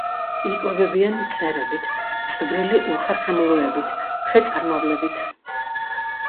იკვებებიან მწერებით; წვრილი უხერხემლოებით, ქვეწარმავლებით.